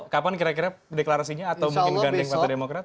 kapan kira kira deklarasinya atau mungkin gandeng partai demokrat